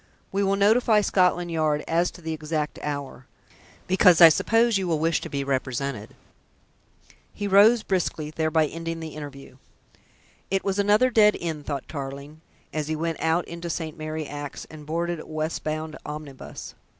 We will notify Scotland Yard as to the exact hour, because I suppose you will wish to be represented." He rose briskly, thereby ending the interview. It was another dead end, thought Tarling, as he went out into St. Mary Axe and boarded a westward bound omnibus.